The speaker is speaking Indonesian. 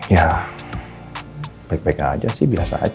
ya baik baik aja sih biasa aja